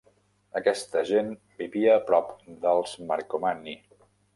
Aquesta gent vivia a prop dels Marcomanni.